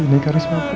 tanpa batas waktu